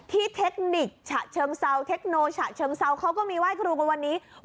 เทคนิคฉะเชิงเซาเทคโนฉะเชิงเซาเขาก็มีไหว้ครูกันวันนี้